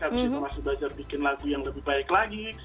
habis itu masih belajar bikin lagu yang lebih baik lagi